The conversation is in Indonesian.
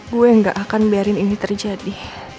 gue yang gak akan biarin ini terjadi